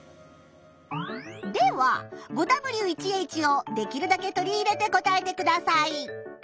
では５Ｗ１Ｈをできるだけ取り入れて答えてください。